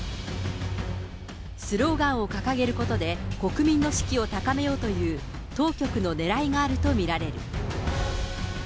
スローガンを掲げることで、国民の士気を高めようという当局のねらいがあると見られる。